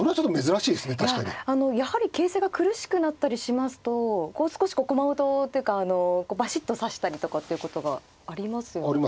やはり形勢が苦しくなったりしますと少し駒音っていうかバシッと指したりとかっていうことがありますよね。ありますね。